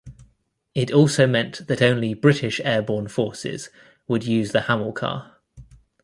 It also meant that only British airborne forces would use the Hamilcar.